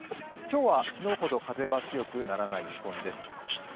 今日は昨日ほど風は強くならない見込みです。